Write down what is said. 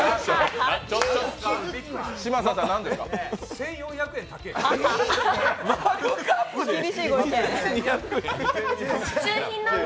１４００円、高い！